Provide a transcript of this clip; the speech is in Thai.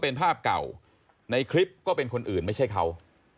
ในคลิปก็เป็นคนอื่นไม่ใช่เขา